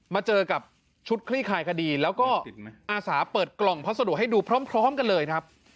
มาเจอกับชุดคลี่คลายคดีแล้วก็อาสาเปิดกล่องพัสดุให้ดูพร้อมกันเลยครับ